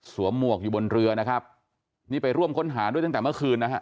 หมวกอยู่บนเรือนะครับนี่ไปร่วมค้นหาด้วยตั้งแต่เมื่อคืนนะฮะ